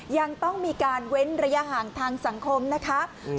ยังต้องมีการเว้นระยะห่างทางสังคมนะคะ